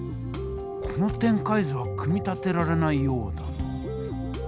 この展開図は組み立てられないようだな。